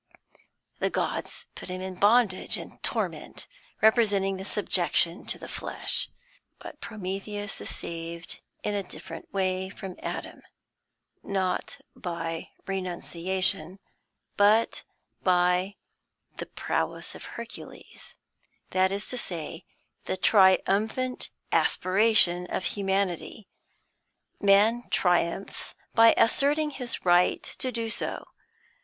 The gods put him in bondage and torment, representing the subjection to the flesh. But Prometheus is saved in a different way from Adam; not by renunciation, but by the prowess of Hercules, that is to say, the triumphant aspiration of Humanity. Man triumphs by asserting his right to do so.